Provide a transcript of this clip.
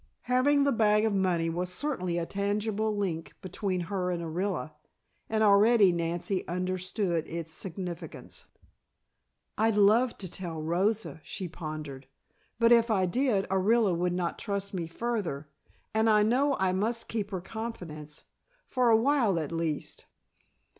Having the bag of money was certainly a tangible link between her and Orilla, and already Nancy understood its significance. "I'd love to tell Rosa," she pondered, "but if I did Orilla would not trust me further, and I know I must keep her confidence, for a while at least.